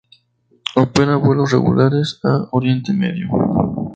Opera vuelos regulares a Oriente Medio.